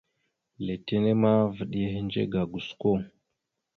Letine ma, vaɗ ya ehədze ga gosko.